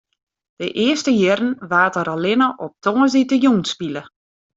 De earste jierren waard der allinne op tongersdeitejûn spile.